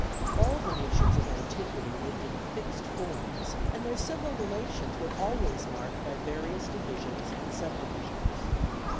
All the nations of antiquity lived in fixed forms, and their civil relations were always marked by various divisions and subdivisions.